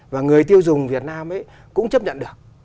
và người tiêu dùng việt nam ấy cũng chấp nhận được